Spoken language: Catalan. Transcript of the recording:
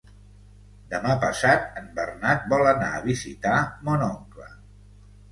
Demà passat en Bernat vol anar a visitar mon oncle.